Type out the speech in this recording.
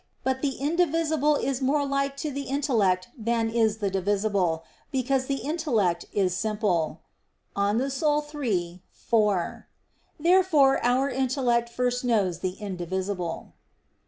But the indivisible is more like to the intellect than is the divisible; because "the intellect is simple" (De Anima iii, 4). Therefore our intellect first knows the indivisible.